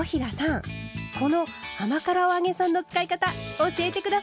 この甘辛お揚げさんの使い方教えて下さい！